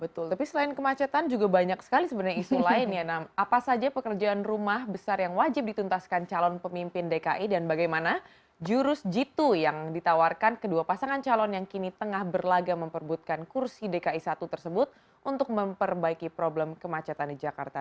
betul tapi selain kemacetan juga banyak sekali sebenarnya isu lain ya apa saja pekerjaan rumah besar yang wajib dituntaskan calon pemimpin dki dan bagaimana jurus jitu yang ditawarkan kedua pasangan calon yang kini tengah berlaga memperbutkan kursi dki satu tersebut untuk memperbaiki problem kemacetan di jakarta